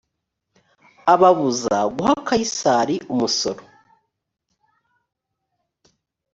ababuza guha kayisari umusoro